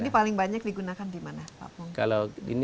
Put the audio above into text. ini paling banyak digunakan di mana pak